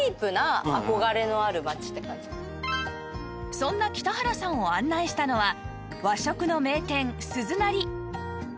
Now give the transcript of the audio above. そんな北原さんを案内したのは和食の名店鈴なり